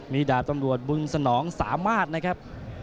มีดาบตำรวจบุญสนองสามารถนะครับ